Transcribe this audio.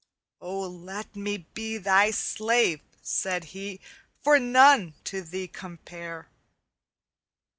'O let me be thy slave,' said he, 'For none to thee compare.'